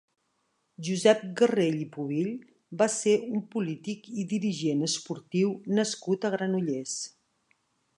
Josep Garrell i Pubill va ser un polític i dirigent esportiu nascut a Granollers.